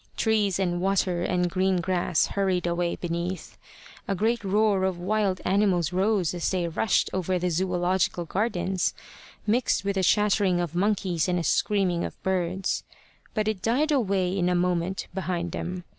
Trees and water and green grass hurried away beneath. A great roar of wild animals rose as they rushed over the Zoological Gardens, mixed with a chattering of monkeys and a screaming of birds; but it died away in a moment behind them.